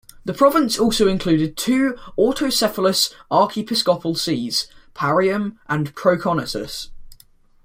The province also included two autocephalous archiepiscopal sees: Parium and Proconnesus.